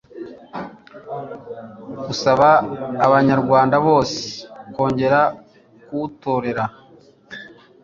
usaba abanyarwanda bose kongera kuwutorera